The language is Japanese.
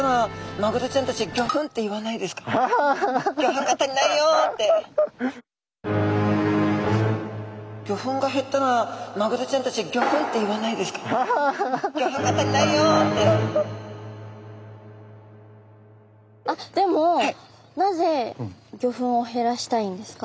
マグロちゃんたち「魚粉が足りないよ」って。あでもなぜ魚粉を減らしたいんですか？